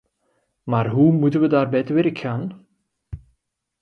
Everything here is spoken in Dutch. Maar hoe moeten we daarbij te werk gaan?